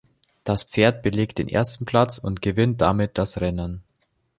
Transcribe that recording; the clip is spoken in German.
Das Pferd belegt den ersten Platz und gewinnt damit das Rennen.